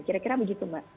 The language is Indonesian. kira kira begitu mbak